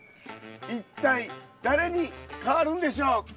いったい誰に変わるんでしょう？